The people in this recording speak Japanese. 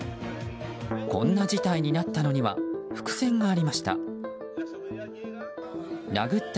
こんな事態になったのには伏線がありました。